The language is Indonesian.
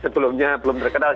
belumnya belum terkenal